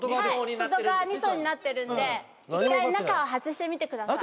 外側２層になってるんで一回中を外してみてください